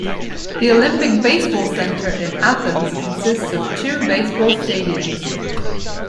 The Olympic Baseball Centre in Athens consists of two Baseball stadiums.